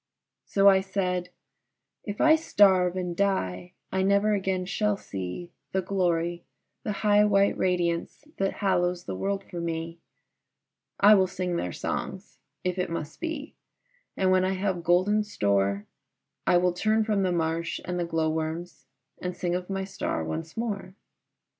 So I said, "If I starve and die I never again shall see The glory, the high white radiance that hallows the world for me; I will sing their songs, if it must be, and when I have golden store, I will turn from the marsh and the glow worms, and sing of my star once more."